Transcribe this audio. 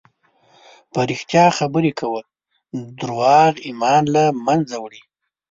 په رښتیا خبرې کوه، دروغ ایمان له منځه وړي.